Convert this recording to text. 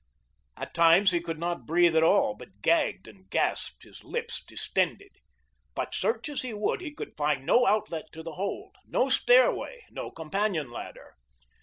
At times he could not breathe at all, but gagged and gasped, his lips distended. But search as he would he could find no outlet to the hold, no stairway, no companion ladder.